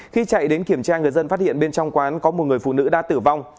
khi chạy đến kiểm tra người dân phát hiện bên trong quán có một người phụ nữ đã tử vong